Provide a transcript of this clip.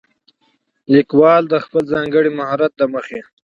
ليکوال د خپل ځانګړي مهارت له مخې